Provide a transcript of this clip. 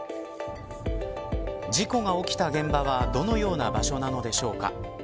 事故が起きた現場はどのような場所でしょうか。